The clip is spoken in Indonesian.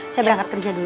saya berangkat kerja dulu